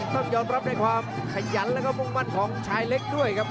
ต้องยอมรับในความขยันแล้วก็มุ่งมั่นของชายเล็กด้วยครับ